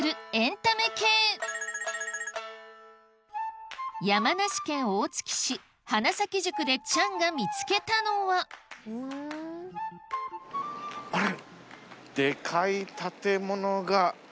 まずは山梨県大月市花咲宿でチャンが見つけたのはあれ？